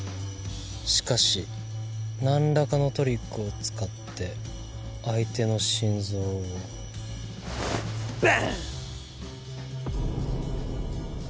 しかしなんらかのトリックを使って相手の心臓をバン！